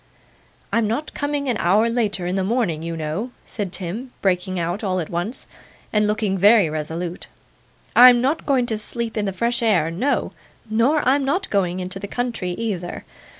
'I'm not coming an hour later in the morning, you know,' said Tim, breaking out all at once, and looking very resolute. 'I'm not going to sleep in the fresh air; no, nor I'm not going into the country either.